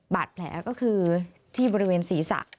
บาดแผลก็คือที่บริเวณศีรษะ